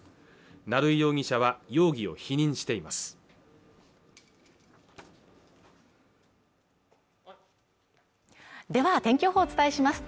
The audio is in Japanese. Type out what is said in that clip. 成井容疑者は容疑を否認していますでは天気予報をお伝えします